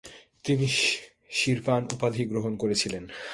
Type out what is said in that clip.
তিনি সির্পান উপাধি গ্রহণ করেছিলেন।